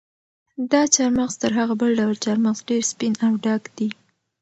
دا چهارمغز تر هغه بل ډول چهارمغز ډېر سپین او ډک دي.